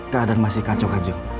keadaan masih kacau kan jem